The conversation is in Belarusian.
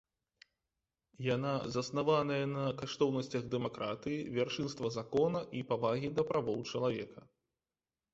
Яна заснаваная на каштоўнасцях дэмакратыі, вяршэнства закона і павагі да правоў чалавека.